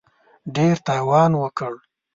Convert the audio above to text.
ډېر تاوان وکړ.